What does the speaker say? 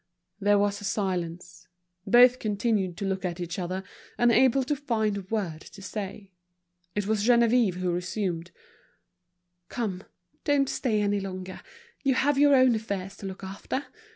There was a silence. Both continued to look at each other, unable to find a word to say. It was Geneviève who resumed: "Come, don't stay any longer, you have your own affairs to look after.